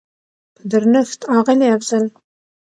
په درنښت اغلې افضل